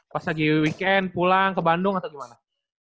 pas lagi weekend pulang ke bandung atau gimana